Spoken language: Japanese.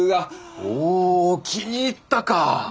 おぉ気に入ったか！